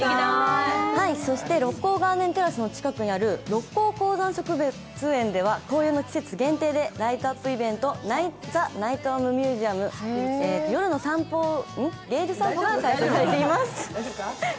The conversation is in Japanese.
そして六甲ガーデンテラスの近くにある六甲高山植物園では紅葉の季節限定でライトアップイベント、「ザ・ナイトミュージアム夜の芸術散歩」が楽しめます。